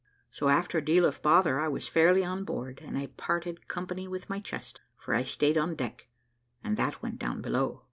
So, after a deal of bother, I was fairly on board, and I parted company with my chest, for I stayed on deck, and that went down below.